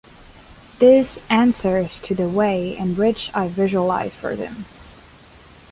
This answers to the way in which I visualize for them.